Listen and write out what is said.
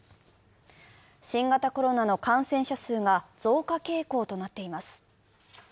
新型コロナの感染者数が増加傾向となっています。